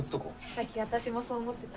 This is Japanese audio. さっき私もそう思ってた。